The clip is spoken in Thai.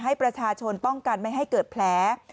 ให้ประชาชนป้องกันไม่ให้เกิดแผล